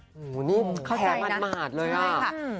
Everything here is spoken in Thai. โหนี่แพ้หมาดเลย